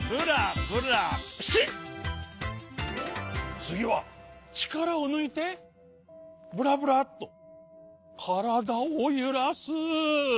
つぎはちからをぬいてブラブラッとからだをゆらす。